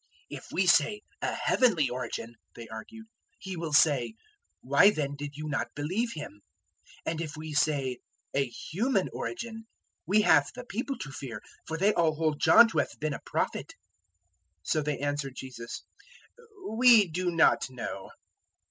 "If we say `a heavenly origin,'" they argued, "he will say, `Why then did you not believe him?' 021:026 and if we say `a human origin' we have the people to fear, for they all hold John to have been a Prophet." 021:027 So they answered Jesus, "We do not know."